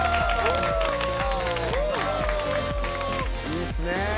いいっすね。